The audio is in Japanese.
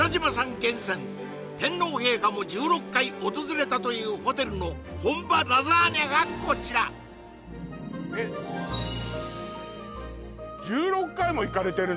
厳選天皇陛下も１６回訪れたというホテルの本場ラザーニャがこちらえっ１６回も行かれてるの？